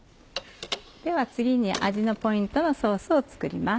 では次に味のポイントのソースを作ります。